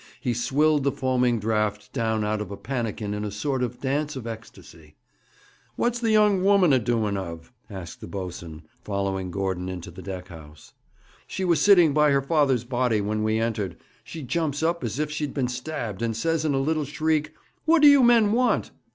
He swilled the foaming draught down out of a pannikin in a sort of dance of ecstasy. 'What's the young woman a doing of?' asked the boatswain, following Gordon into the deck house. 'She was sitting by her father's body when we entered. She jumps up as if she'd been stabbed, and says in a little shriek: "What do you men want?"